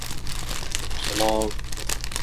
وە قنگ باوک عومەرەوە!